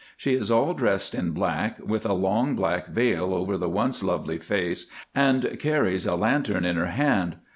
She is all dressed in black, with a long black veil over the once lovely face, and carries a lantern in her hand.